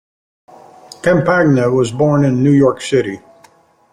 Campagna was born in New York City.